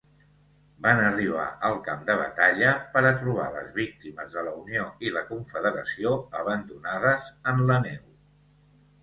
Van arribar al camp de batalla per a trobar les víctimes de la Unió i la Confederació abandonades en la neu.